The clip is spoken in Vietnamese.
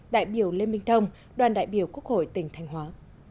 đại biểu lê minh thông đoàn đại biểu quốc hội tỉnh thanh hóa